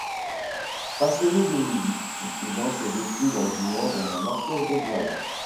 Passionné de musique, il finance ses études en jouant dans un orchestre de jazz.